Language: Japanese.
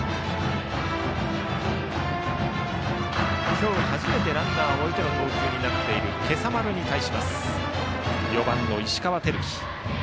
今日初めてランナーを置いての投球になっている今朝丸と対する４番の石川瑛貴。